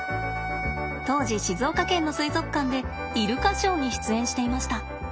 当時静岡県の水族館でイルカショーに出演していました。